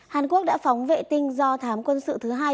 hàn quốc đã phóng vệ tinh do thám quân sự thứ hai